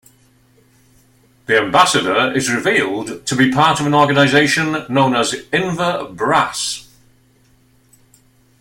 The ambassador is revealed to be part of an organization known as Inver Brass.